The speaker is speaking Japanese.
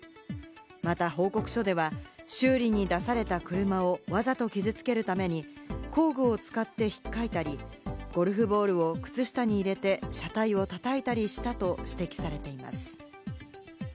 また報告書では修理に出されていた車をわざと傷つけるために、工具を使って引っかいたり、ゴルフボールを靴下に入れて車体を叩いたりしたと指摘されています。